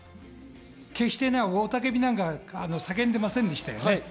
決して雄たけびなんか叫んでませんでしたよね。